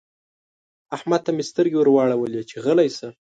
احمد ته مې سترګې ور واړولې چې غلی شه.